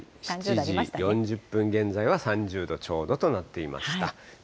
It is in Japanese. ７時４０分現在は３０度ちょうどとなっていました。